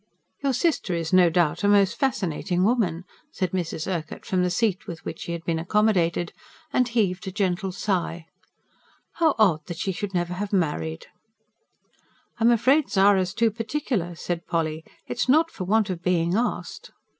"Your sister is no doubt a most fascinating woman," said Mrs. Urquhart from the seat with which she had been accommodated; and heaved a gentle sigh. "How odd that she should never have married!" "I'm afraid Zara's too particular," said Polly. "It's not for want of being asked."